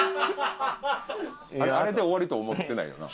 あれで終わりと思ってないよな？